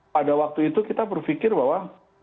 pada waktu itu kita berpikir bahwa